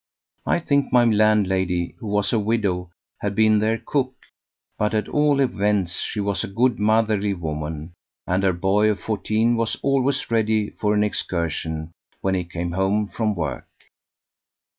I think my landlady, who was a widow, had been their cook; but at all events she was a good motherly woman, and her boy of fourteen was always ready for an excursion when he came home from work.